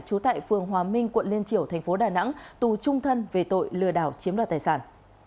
trú tại phường hòa minh quận liên triểu thành phố đà nẵng tù trung thân về tội lừa đảo chiếm đoạt tài sản